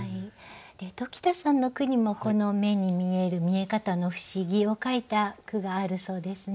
鴇田さんの句にも目に見える見え方の不思議を書いた句があるそうですね。